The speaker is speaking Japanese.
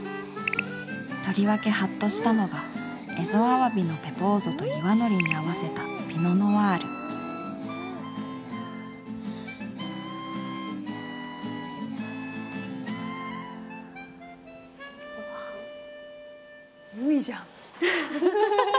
とりわけハッとしたのが蝦夷鮑のペポーゾと岩海苔に合わせたピノ・ノワール海じゃん。